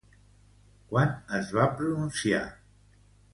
Quan es va pronunciar?